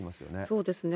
そうですね。